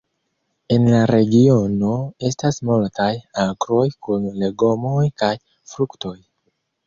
En la regiono estas multaj agroj kun legomoj kaj fruktoj.